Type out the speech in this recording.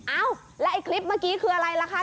เอ้าแล้วไอ้คลิปเมื่อกี้คืออะไรล่ะคะ